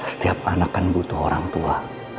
setiap anak kan butuh orang tua